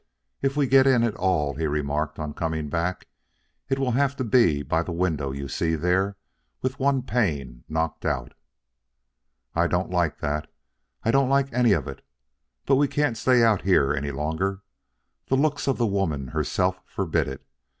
"If we get in at all," he remarked on coming back, "it will have to be by the window you see there with one pane knocked out." "I don't like that; I don't like any of it. But we can't stay out here any longer. The looks of the woman herself forbid it.